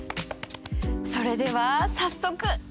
それでは早速。